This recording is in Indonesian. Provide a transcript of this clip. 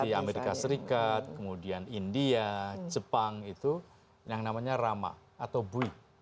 seperti amerika serikat kemudian india jepang itu yang namanya rama atau bui